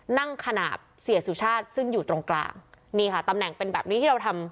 นั่งขนาดเสียสุชาติซึ่งอยู่ตรงกลางนี่ค่ะตำแหน่งเป็นแบบนี้ที่เราทำ